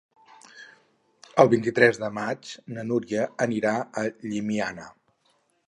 El vint-i-tres de maig na Núria anirà a Llimiana.